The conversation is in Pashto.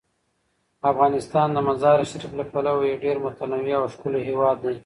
افغانستان د مزارشریف له پلوه یو ډیر متنوع او ښکلی هیواد دی.